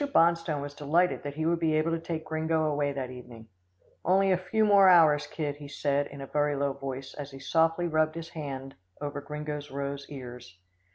Bonstone was delighted that he would be able to take Gringo away that evening. "Only a few hours more, kid," he said in a low voice as he softly rubbed his hand over Gringo's rose ears.